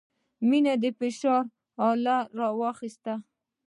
مينې د فشار اله راواخيسته.